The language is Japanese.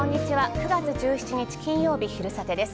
９月１７日、金曜日、「昼サテ」です。